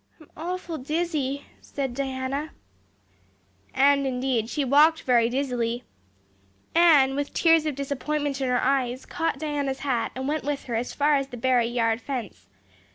"I'm awful dizzy," said Diana. And indeed, she walked very dizzily. Anne, with tears of disappointment in her eyes, got Diana's hat and went with her as far as the Barry yard fence.